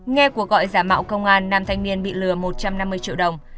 nghe cuộc gọi giả mạo công an nam thanh niên bị lừa một trăm năm mươi triệu đồng